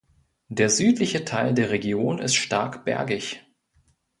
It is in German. Der südliche Teil der Region ist stark bergig.